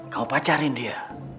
kamu pacarin dia